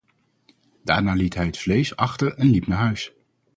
Daarna liet hij het vlees achter en liep naar huis.